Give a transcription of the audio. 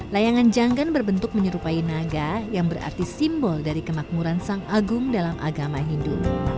layangan janggan berbentuk menyerupai naga yang berarti simbol dari kemakmuran sang agung dalam agama hindu